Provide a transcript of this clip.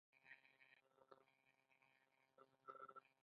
ایا ښه انسان یاست؟